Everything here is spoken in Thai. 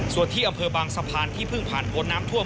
ส่วนที่อำเภอบางสะพานที่เพิ่งผ่านพ้นน้ำท่วม